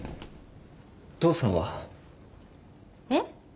父さんは？えっ？